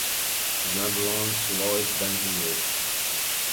This now belongs to Lloyds Banking Group.